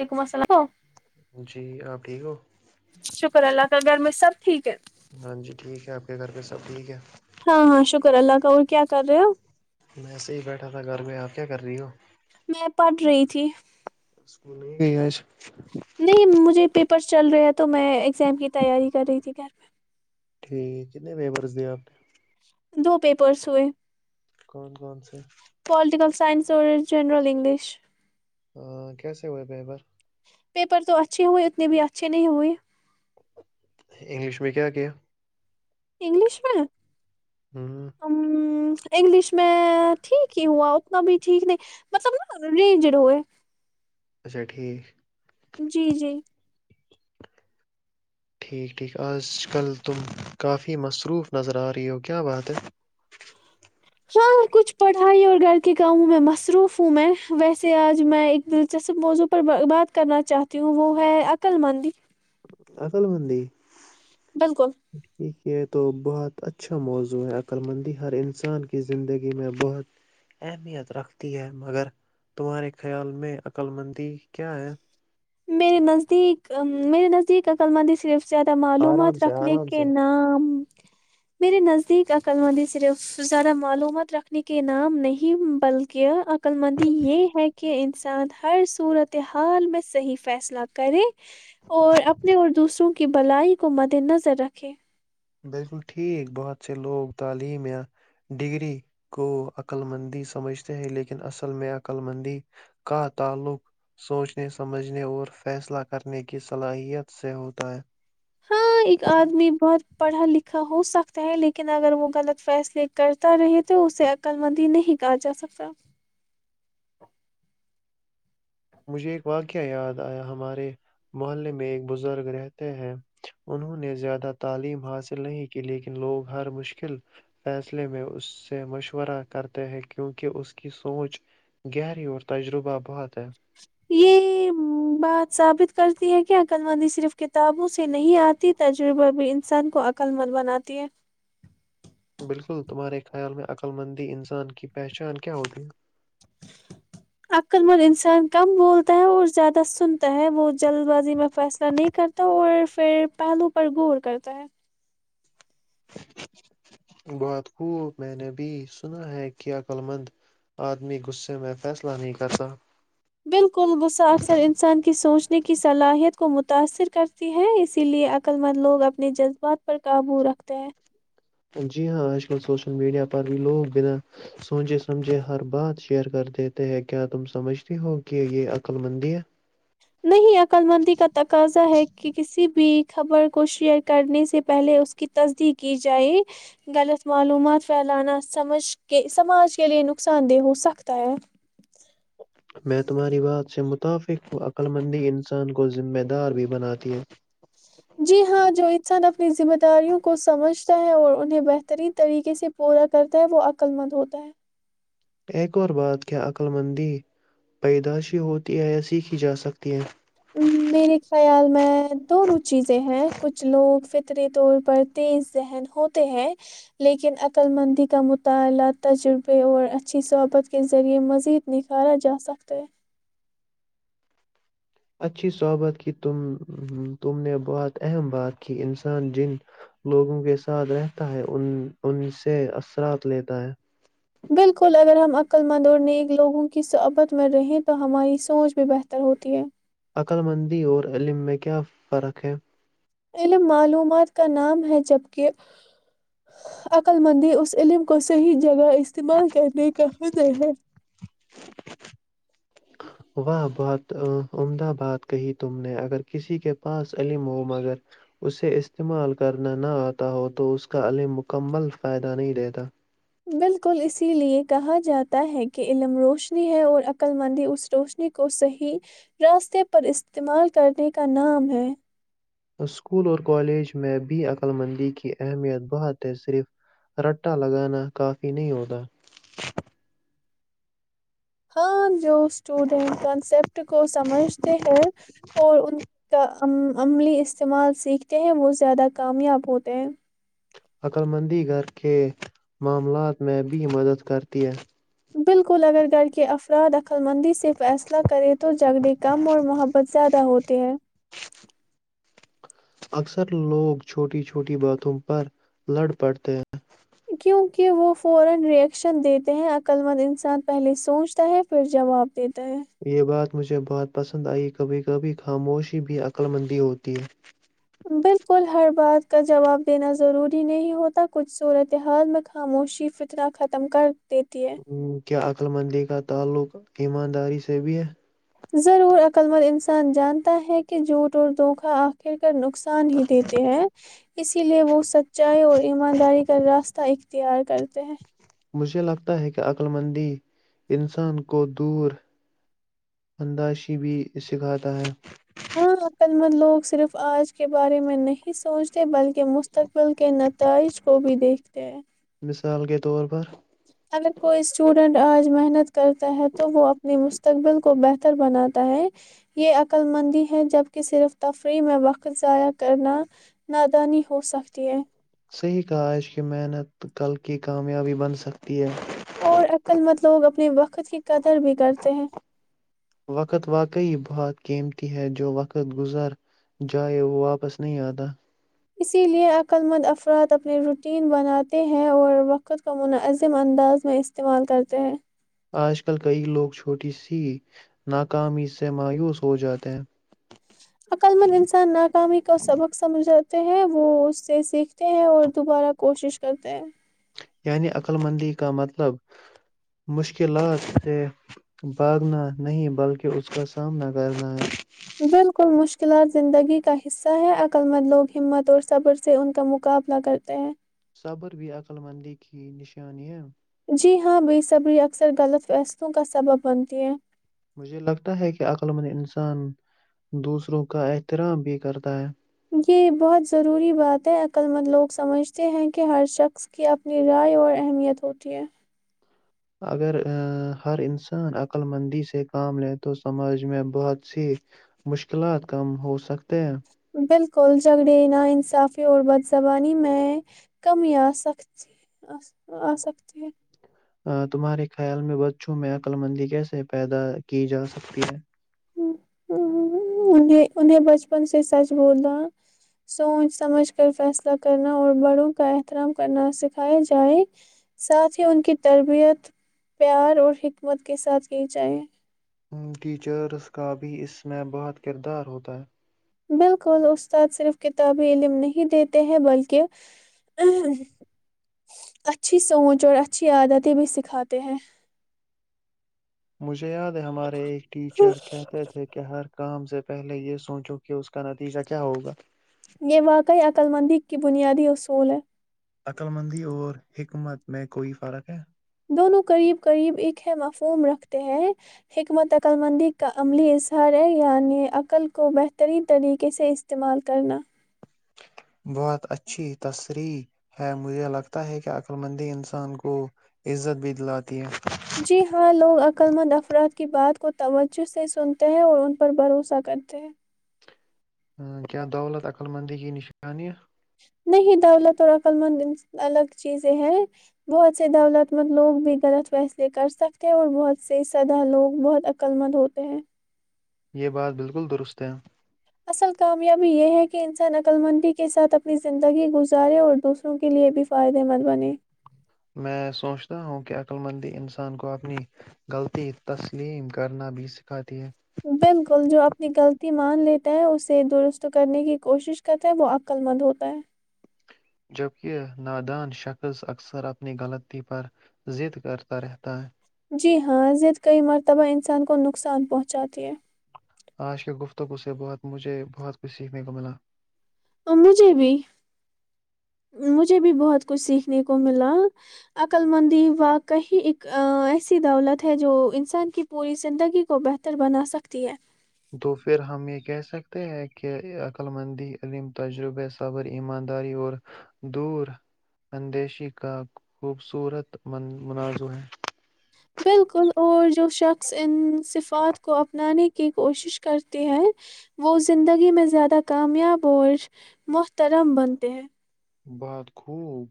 وعلیکم السلام جی آپ ٹھیک ہو شکر اللہ کا گھر میں سب ٹھیک ہے ہاں جی ٹھیک ہے آپ کے گھر کے سب ٹھیک ہے ہاں ہاں شکر اللہ کا اور کیا کر رہے ہو میںسے ہی بیٹھا تھا گھر میں آپ کیا کر رہی ہو میں پڑھ رہی تھی وہ نہیں گئیس نہیں مجھے پ پر چل رہے ہے تو میں ایگزام کی تیاری کر رہی تھی گھر میں ٹھیک کنے میبرس د آپ نے دو پیپرس ہوئے کون کون سے پولیٹیکل سائنس س جینرل انگلش ہ کیسے ہوئے بہبر پیپر تو اچھے ہوئے اتنے بھی اچھے نہیں ہوئے انگلش میں کیا کیا انگلش میں ہاں انگلش میں ٹھیک ہی ہوا اتنا بھی ٹھیک نہیں مطلب ن رینجڈ ہوئے اچھا ٹھیک جی جی ٹھیک ٹھیک آج کل تم کافی مصروف نظر آ رہی ہو کیا بات ہے ہاں کچھ پڑھائی اور گھر کے کاموں میں مصروف ہوں میں ویسے آج میں ایک دلچسپ موضوع پر بات کرنا چاہتی ہوں وہ ہے عقل مندی اکل مندی بالکل ٹھیک یہ تو بہت اچھا موضوع ہے عقللمندی ہر انسان کی زندگی میں بہت اہمیت رکھتی ہے مگر تمہارے خیال میں عقللمندی کیا ہے میرے نزدیک میرے نزدیک اکللمند صرف زیادہ آرام معلومات سے رکھنے آرام کے سے نام میرے نزدیک عقل مندی صرف زیادہ معلومات رکھنے کے نام نہیں بلکہ شکل مندی یہ ہے کہ کہ انسان ہر صورت حال میں صحیح فیصلہ کرے اور اپنے اور دوسروں کی بلائی کو مد نظر رکھے بالکل ٹھیک بہت سے لوگ تعلیم یا ڈگری کو عقللمندی سمجھتے ہیں لیکن اصل میں عقللمندی کا تعلق سوچنے سمجھنے اور فیصلہ کرنے کی صلاحیت سے ہوتا ہے ہاں ایک آدمی بہت پڑھا لکھا ہو سکتا ہے لیکن اگر وہ غلط فیصلے کرتا رہے تو اسے عقل مندی نہیں کہا جا سکتا مجھے ایک واقعہ یاد آیا ہمارے محلے میں ایک بزرگ رہتے ہیں انہوں نے زیادہ تعلیم حاصل نہیں کی لیکن لوگ ہر مشکل فیصلے میں اس سے مشورہ کرتے ہیں کیونکہ اس کی سوچ گہری اور تجربہ بہت ہے یہ بات ثابت کرتی ہے کہ عقل مندی صرف کتابوں سے نہیں آتی تجربہ بھی انسان کو عقل مند بناتی ہے بالکل تمہارے خیال میں عقلمندی انسان کی پہچان کیا ہوگی عقل مند انسان کم بولتا ہے اور زیادہ سنتا ہے وہ جلد بازی میں فیصلہ نہیں کرتا اور پھر پہلو پر غور کرتا ہے [inaudible] بالکل کل سا اکثر انسان کی سوچنے کی صلاحیت کو متاثر کرتی ہے اسی لیے عقل مند لوگ اپنے جذبات پر قابو رکھتے ہیں جی ہاں آج کل سوشل میڈیا پر بھی لوگ بنا سوچے سمجھے ہر بات شیئر کر دیتے ہیں کیا تم سمجھتی ہو کہ یہ عقل مندی ہے نہیں عقل مندی کا تقاضا ہے کہ کسی بھی خبر کو شیئر کرنے سے پہلے اس کی تصدیق کی جائے غلط معلومات پھیلانا سمج کے سماج کے لیے نقصان دہ ہو سکتا ہے میں تمہاری بات سے متفق عقللمندی انسان کو ذمہ دار بھی بناتی ہوں جی ہاں جو انسان اپنی ذمہ داریوں کو سمجھتا ہے اور انہیں بہترین طریقے سے پورا کرتا ہے وہ عقل مند ہوتا ہے ایک اور بات کیا عقلمندی پیدائشی ہوتی ہے یا سیکھی جاسکتی ہے میرے خیال میں دونوں چیزیں ہیں کچھ لوگ فطری طور پر تیز ذہن ہوتے ہیں لیکن عقللمندی کا مطالعہ تجربے اور اچھی صحبت کے ذریعہ مزید نکھارا جاسکتے اچھی صحابت کی تم نے بہت اہم بات کی انسان جن لوگوں کے ساتھ رہتا ہے ان سے اثرات لیتا ہے بالکل اگر ہم عقل مند اور نیک لوگوں کی صحبت میں رہےیں تو ہماری سوچ بھی بہتر ہوتی ہے عقللمندی اور علم میں کیا فرق ہے علم معلومات کا نام ہے جبکہ عقللمندی اس علم کو صحیح جگہ استعمال کرنے کا ہے واہ بہت عمدہ بات کہی تم نے اگر کسی کے پاس علم ہو مگر اسے استعمال کرنا نہ آتا ہو تو اس کا علم مکمل فائدہ نہیں دیتا بالکل اسی لئے کہا جاتا ہے کہ علم روشنی ہے اور عقللمندی اس روشنی کو صحیح راستے پر استعمال کرنے کا نام ہے اسکول اور کالج میں بھی عقلمندی کی اہمیت بہت ہے صرف رٹا لگانا کافی نہیں ہوتا ہاں جو اسٹوڈینٹ کنسپٹ کو سمجھتے ہیں اور ان کا عملی استعمال سیکھتے ہیں وہ زیادہ کامیاب ہوتے ہیں عقلمندی گھر کے معاملات میں بھی مدد کرتی ہے بالکل اگر گھر کے افراد خلمندی سے فیصلہ کرے تو جگڑے کم اور محبت زیادہ ہوتے ہے اکثر لوگ چھوٹی چھوٹی باتوں پر لڑ پڑتے ہیں کیوں کہ وہ فورا رییکشن دیتے ہیں عقلمند انسان پہلے سوچتا ہے پھر جواب دیتا ہے یہ بات مجھے بہات پسند آئی کبھی کبھی خاموشی بھی عقلمندی ہوتی ہے بالکل ہر بات کا جواب دینا ضروری نہیں ہوتا کچھ صورتحال میں خاموشی فتنا ختم کر دیتی ہے کیا عقل مندی کا تعلق ایمانداری سے بھی ہے ضرور عقلمند انسان جانتا ہے کہ جھوٹ اور دھوکا آخر نقصان ہی دیتے ہیں اسی لیے وہ سچائی اور ایمانداری کا راستہ اختیار کرتے ہیں مجھے لگتا ہے کہ عقلمندی انسان کو دور انداشی بھی سکھاتا ہے ہاں عقل مند لوگ صرف آج کے بارے میں نہیں سوچتے بلکہ مستقبل کے نتائج کو بھی دیکھتے ہیں مثال کے طور پر اگر کوئی اسٹوڈینٹ آج محنت کرتا ہے تو وہ اپنی مستقبل کو بہتر بناتا ہے یہ عقلمندی ہے جبکہ صرف تفریح میں وقت ضائع کرنا نادانی ہو سکتی ہے صحیح کہا آج کی محنت کل کی کامیابی بن سکتی ہے اور عقلمند لوگ اپنے وقت کی قدر بھی کرتے ہیں وقت واقعی بہت قیمتی ہے جو وقت گزر جائے وہ واپس نہیں آتا اسی لئے عقلمند افراد اپنے روٹین بناتے ہیں اور وقت کو منظم انداز میں استعمال کرتے ہیں آج کل کئی لوگ چھوٹی سی ناکامی سے مایوس ہو جاتے ہیں عقل مند انسان ناکامی کو سبق سمجھتے ہیں وہ اس سے سیکھتے ہیں اور دوبارہ کوشش کرتے ہیں یعنی عقل مندی کا مطلب مشکلات سے بھاگنا نہیں بلکہ اس کا سامنا کرنا ہے بالکل مشکلات زندگی کا حصہ ہے عقلمند لوگ ہمت اور صبر سے ان کا مقابلہ کرتے ہیں صبر بھی عقلمندی کی نشان ہے جی ہاں بےصبری اکثر غلط فیصلوں کا سبب بنتی ہیں مجھے لگتا ہے کہ عقلمند انسان دوسروں کا احترام بھی کرتا ہے یہ بہت ضروری بات ہےعقلمند لوگ سمجھتے ہیں کہ ہر شخص کی اپنی رائے اور اہمیت ہوتی ہے اگر ہر انسان عقلمندی سے کام لے تو سماج میں بہت سی مشکلات کم ہو سکتے ہیں بالکل جگڑینا انصافی اور بد زبانی میں کمی آ سکتی سکتی ہے تمہارے خیال میں بچوں میں عقلمندی کیسے پیدا کی جا سکتی ہے انیں انہیں بچپن سے سچ بولنا سوچ سمجھ کر فیصلہ کرنا اور بڑوں کا احترام کرنا سکھایا جائے ساتھ ہی ان کی تربیت پیار اور حکمت کے ساتھ کی جائے ٹیچرس کا بھی اس میں بہت کردار ہوتا ہے بالکل، استاد صرف کتابی علم نہیں دیتے ہیں بلکہ اچھی سمجھ اور اچھی عادتیں بھی سکھاتے ہیں۔ مجھے یاد ہے ہمارے ایک ٹیچر کہتے تھے کہ ہر کام سے پہلے یہ سوچو کہ اس کا نتیجہ کیا ہوگا یہ واقعی عقلمندی کی بنیادی اصول ہے عقلمندی اور حکمت میں کوئی فرق ہے دونوں قریب قریب اک ہے مفہوم رکھتے ہیں حکمت عقلمندی کا عملی اظہار ہے یعنی عقل کو بہترین طریقے سے استعمال کرنا بہت اچھی تصریح ہے مجھے لگتا ہے کہ عقللمندی انسان کو عزت بھی دلاتی ہے جی ہاں لوگ عقل مند افراد کی بات کو توجہ سے سنتے ہیں اور ان پر بھروسہ کرتے ہیں کیا دولت عقلمندیگ کی نشانہ نہیں دولت اور عقل مند الگ چیزیں ہیں بہت سے دولت مند لوگ بھی غلط فیصلے کر سکتے ہیں اور بہت سے سدا لوگ بہت عقل مند ہوتے ہیں یہ بات بالکل درست ہے اصل کامیابی یہ ہے کہ انسان عقلمندی کے ساتھ اپنی زندگی گزارے اور دوسروں کےلئے بھی فائدہ مند بن میں سوچتا ہوں کہ عقللمندی انسان کو اپنی غلطی تسلیم کرنا بھی سکھاتی ہے بالکل جو اپنی غلطی مان لیتا ہے اسے درست کرنے کی کوشش کرتا ہے وہ عقل مند ہوتا ہے جبکہ نادان شخص اکثر اپنی غلطی پر د کرتا رہتا ہے جی ہاں ضد کئی مرتبہ انسان کو نقصان پہنچاتی ہے آج کے گفتگو سے بہت مجھے بہت کچھ سیکھنے کو ملا مجھے بھی مجھے بھی بہت کچھ سیکھنے کو ملا عقل مندی و کہیں ایک ایسی دولت ہے جو انسان کی پوری زندگی کو بہتر بنا سکتی ہے تو پھر ہم یہ کہہ سکتے ہیں کہ عقلملمندی علم تجربہ صبر ایمانداری اور دور اندیشی کا خوبصورت منازع ہے بالکل اور جو شخص ان صفات کو اپنانے کی کی کوشش کرتی ہے وہ زندگی میں زیادہ کامیاب اور محترم بنتے ہیں بات خوب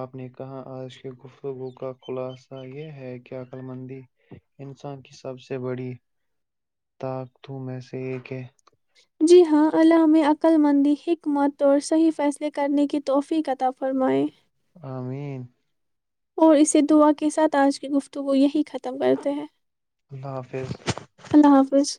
آپ نے کہا آج کی گفتگو کا خلاصہ یہ ہے کہ عقللمندی انسان کی سب سے بڑی طاقتوں میں سے ایک ہے جی ہاں الل میں عقللمندی حکمت اور صحیح فیصلے کرنے کی توحفی قطا فرمائے ا مین اور اسے دعا کے ساتھ آج کی گفتگو یہی ختم کرتے ہیں اللہ حافظ اللہ حافظ